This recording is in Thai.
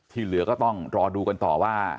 เหลือก็ต้องรอดูกันต่อว่า